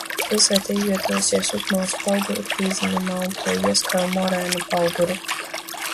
Pilsēta izvietojusies Upmales paugurlīdzenumā un to ieskauj morēnu pauguri.